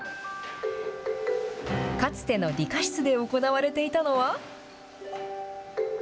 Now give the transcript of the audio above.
かつての理科室で行われていたのは。